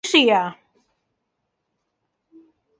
浙江乡试第三十六名。